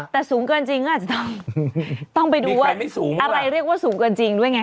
แต่สูงเกินจริงก็อาจจะต้องไปดูว่าอะไรเรียกว่าสูงเกินจริงด้วยไง